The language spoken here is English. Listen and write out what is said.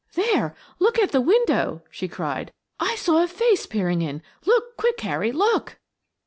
"There, look at the window," she cried. "I saw a face peering in. Look quick, Harry, look!"